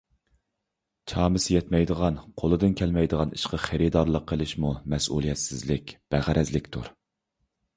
چامىسى يەتمەيدىغان، قولىدىن كەلمەيدىغان ئىشقا خېرىدارلىق قىلىشمۇ مەسئۇلىيەتسىزلىك، بەغەرەزلىكتۇر.